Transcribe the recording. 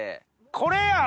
これやろ！